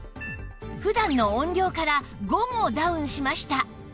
普段の音量から５もダウンしました